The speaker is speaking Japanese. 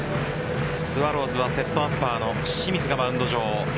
スワローズはセットアッパーの清水がマウンド上。